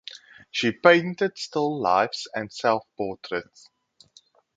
She painted still lifes and self portraits.